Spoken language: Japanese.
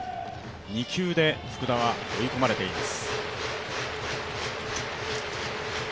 ２球で福田は追い込まれています。